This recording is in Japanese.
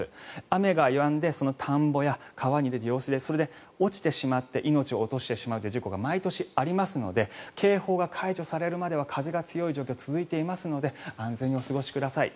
雨がやんで田んぼや川に出てそれで落ちてしまって命を落としてしまうという事故が毎年ありますので警報が解除されるまでは風が強い状況が続いていますので安全にお過ごしください。